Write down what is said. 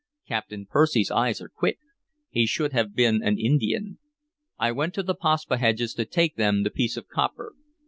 "Captain Percy's eyes are quick; he should have been an Indian. I went to the Paspaheghs to take them the piece of copper.